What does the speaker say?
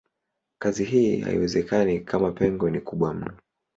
Kazi hii haiwezekani kama pengo ni kubwa mno.